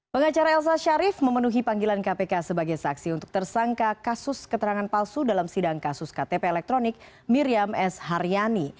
pengacara elsa sharif memenuhi panggilan kpk sebagai saksi untuk tersangka kasus keterangan palsu dalam sidang kasus ktp elektronik miriam s haryani